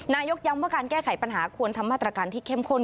ย้ำว่าการแก้ไขปัญหาควรทำมาตรการที่เข้มข้น